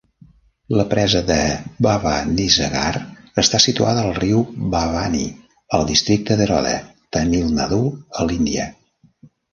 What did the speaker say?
La presa de Bhavanisagar està situada al riu Bhavani al districte d'Erode, Tamil Nadu, a l'Índia.